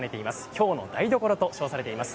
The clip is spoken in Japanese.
京の台所と評されています。